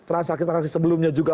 rasa rasa sebelumnya juga